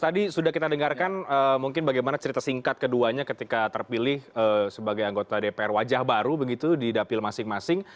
tadi sudah kita dengarkan mungkin bagaimana cerita singkat keduanya ketika terpilih sebagai anggota dpr wajah baru begitu di dapil masing masing